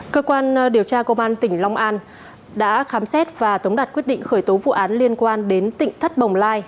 cơ quan điều tra công an tỉnh long an đã khám xét và tống đặt quyết định khởi tố vụ án liên quan đến tỉnh thất bồng lai